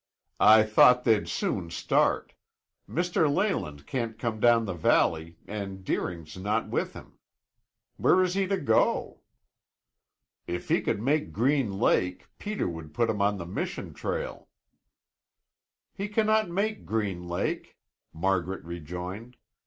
I thought they'd soon start. Mr. Leyland can't come down the valley and Deering's not with him. Where is he to go?" "If he could make Green Lake, Peter would put him on the Mission trail." "He cannot make Green Lake," Margaret rejoined.